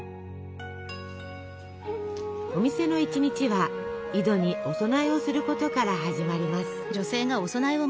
お店の一日は井戸にお供えをすることから始まります。